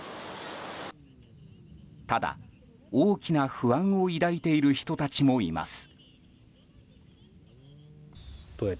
ただ、大きな不安を抱いている人たちもいます。